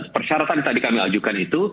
persyaratan yang tadi kami ajukan itu